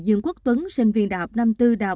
dương quốc tuấn sinh viên đh năm mươi bốn đh